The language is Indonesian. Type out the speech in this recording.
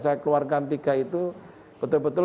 saya keluarkan tiga itu betul betul